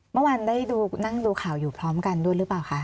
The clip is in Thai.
เมื่อวานได้นั่งดูข่าวอยู่พร้อมกันด้วยหรือเปล่าคะ